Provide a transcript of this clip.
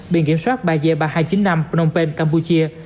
bị kiểm soát ba j ba nghìn hai trăm chín mươi năm phnom penh campuchia